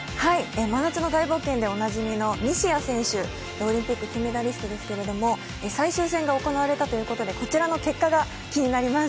真夏の大冒険でおなじみの西矢選手、オリンピック金メダリストですけど、最終戦が行われたということで、こちらの結果が気になります。